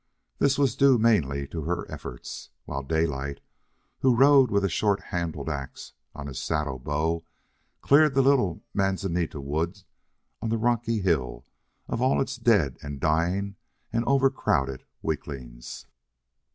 This was due mainly to her efforts, while Daylight, who rode with a short handled ax on his saddle bow, cleared the little manzanita wood on the rocky hill of all its dead and dying and overcrowded weaklings.